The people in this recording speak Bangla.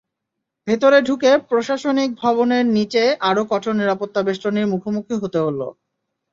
ভেতরে ঢুকে প্রশাসনিক ভবনের নিচে আরও কঠোর নিরাপত্তাবেষ্টনীর মুখোমুখি হতে হলো।